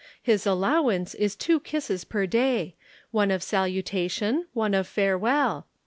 His allowance is two kisses per day one of salutation, one of farewell.